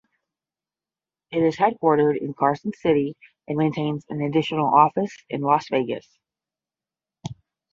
It is headquartered in Carson City and maintains an additional office in Las Vegas.